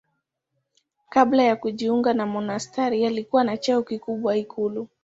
Kabla ya kujiunga na monasteri alikuwa na cheo kikubwa ikulu.